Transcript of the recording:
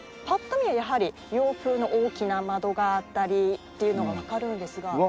ぱっと見ではやはり洋風の大きな窓があったりっていうのがわかるんですが。